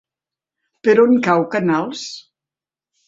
Per on cau Canals?